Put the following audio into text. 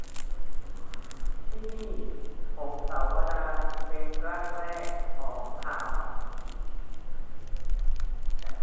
ที่นี่ : พงศาวดารเป็นร่างแรกของข่าว